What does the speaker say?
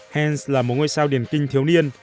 hans là một ngôi sao điển kinh thiếu niên